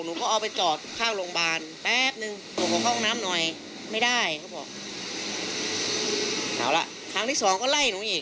หนูก็เอาไปจอดข้างโรงพยาบาล